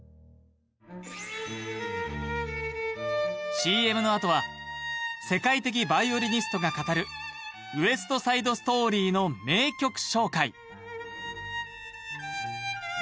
ＣＭのあとは世界的ヴァイオリニストが語る「ウエスト・サイド・ストーリー」の名曲紹介